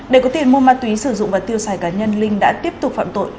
để có tiền mua ma túy sử dụng và tiêu xài cá nhân linh đã tiếp tục phạm tội